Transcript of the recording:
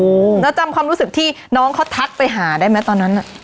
แล้วจำความรู้สึกที่น้องเขาทักไปหาได้ไหมตอนนั้นน่ะ